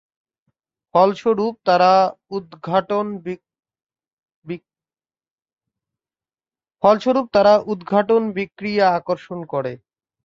ফলস্বরূপ তারা উদ্ঘাটন বিক্রিয়া আকর্ষণ করে।